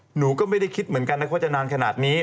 หนูก็ไม่ได้คิดเหมือนกันนะว่าจะนานขนาดนี้